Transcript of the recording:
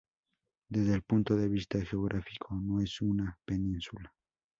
Desde el punto de vista geográfico no es una península.